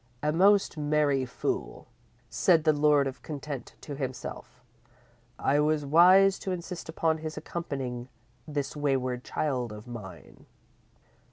"A most merry fool," said the Lord of Content to himself. "I was wise to insist upon his accompanying this wayward child of mine."